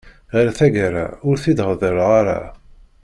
Ɣer tagara ur t-id-ɣḍileɣ ara.